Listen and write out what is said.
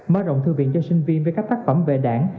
mở rộng thư viện cho sinh viên với các tác phẩm về đảng